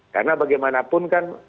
karena bagaimanapun kan